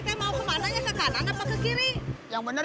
yang bener yang bener